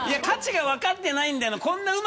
価値が分かってないんだよな